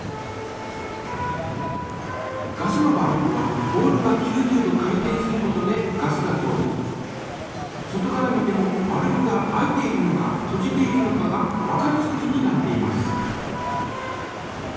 ガスのバルブはボールが９０度回転することでガスが通り外から見てもバルブが開いているのかとじているのかがわかる作りになっています。